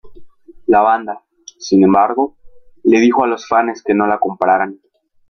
La banda, sin embargo, le dijo a los fanes que no lo compraran.